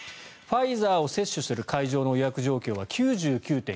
ファイザーを接種する会場の予約状況は９９．９６％。